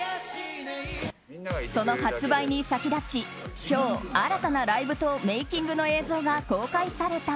その発売に先立ち今日、新たなライブとメイキングの映像が公開された。